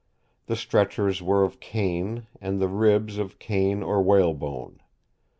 The stretchers were of cane, and the ribs of cane or whalebone.